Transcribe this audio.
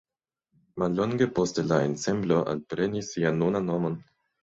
Mallonge poste la ensemblo alprenis sian nunan nomon.